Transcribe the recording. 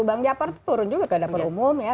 bank japer turun juga ke dapur umum ya